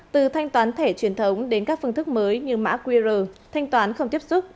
từ thanh toán thẻ truyền thống đến các phương thức mới như mã qr thanh toán không tiếp xúc